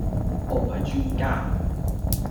我唔係專家